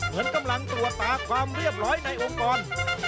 เหมือนกำลังตรวจตาความเรียบร้อยในองค์กร